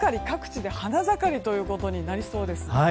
各地で花盛りということになりそうです。